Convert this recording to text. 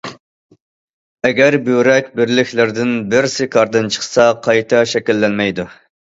ئەگەر بۆرەك بىرلىكلىرىدىن بىرسى كاردىن چىقسا قايتا شەكىللەنمەيدۇ.